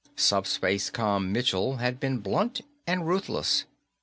SupSpaceCom Michell had been blunt and ruthless.